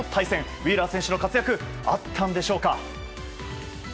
ウィーラー選手の活躍あったんでしょうか？